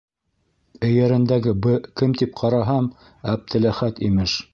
Эйәрендәге бы кем тип ҡараһам, Әптеләхәт, имеш.